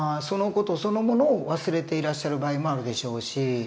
その事そのものを忘れていらっしゃる場合もあるでしょうし。